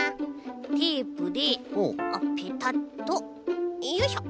テープであっペタッとよいしょ！